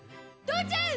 父ちゃん！